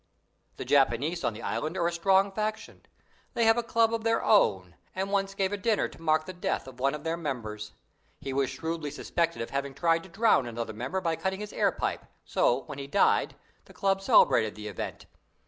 The Japanese on the island are a strong faction. They have a club of their own, and once gave a dinner to mark the death of one of their members. He was shrewdly suspected of having tried to drown another member by cutting his airpipe, so, when he died, the club celebrated the event.